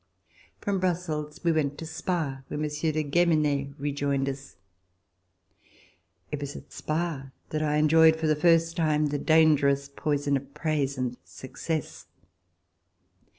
[.2] DEATH OF MME. DILLON From Brussels we went to Spa, where Monsieur de Guemene rejoined us. It was at Spa that I en joyed for the first time the dangerous poison of praise and success.